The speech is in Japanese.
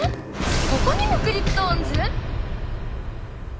ここにもクリプトオンズ？